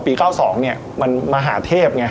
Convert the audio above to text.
ปี๙๖กับปี๙๒มันมหาเทพไง